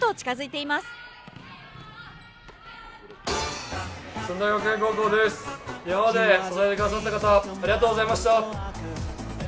今まで支えてくださった皆さんありがとうございました。